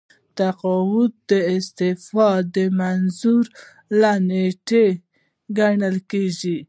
تقاعد د استعفا د منظورۍ له نیټې ګڼل کیږي.